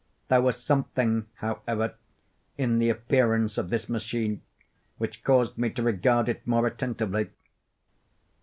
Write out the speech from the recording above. There was something, however, in the appearance of this machine which caused me to regard it more attentively.